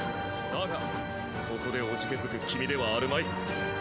だがここで怖気づく君ではあるまい？